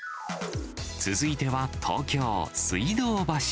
続いては東京・水道橋。